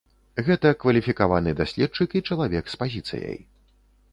Гэта кваліфікаваны даследчык і чалавек з пазіцыяй.